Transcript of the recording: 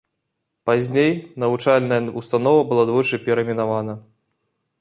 Пазней навучальная ўстанова была двойчы перайменавана.